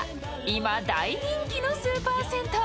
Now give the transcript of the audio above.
今大人気のスーパー銭湯。